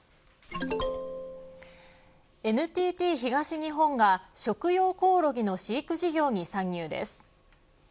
ＮＴＴ東日本が食用コオロギの飼育事業に参入です。